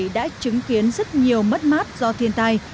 đã chứng kiến rất nhiều mất mát do thiên tai